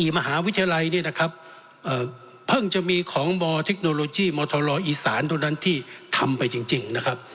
มหาวิทยาลัยเนี่ยนะครับเพิ่งจะมีของมเทคโนโลยีมทรอีสานเท่านั้นที่ทำไปจริงนะครับ